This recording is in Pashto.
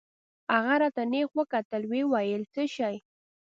هغه راته نېغ وکتل ويې ويل څه شى.